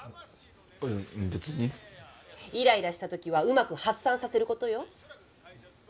イライラした時はうまく発散させることよ。